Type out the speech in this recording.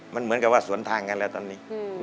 มันเหมือนกับว่าสวนทางกันแล้วตอนนี้